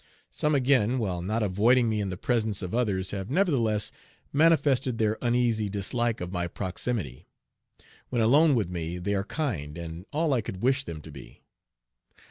Some again, while not avoiding me in the presence of others have nevertheless manifested their uneasy dislike of my proximity. When alone with me they are kind, and all I could wish them to be.